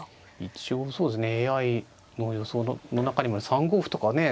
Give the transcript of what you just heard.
一応そうですねＡＩの予想の中にも３五歩とかね